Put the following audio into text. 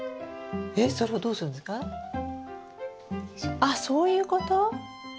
あそういうこと？